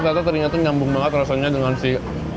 ternyata terinya tuh nyambung banget rasanya dengan si